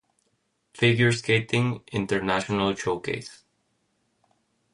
Figure Skating International Showcase.